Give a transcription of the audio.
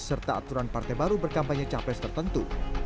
serta aturan partai baru berkampanye capres tertentu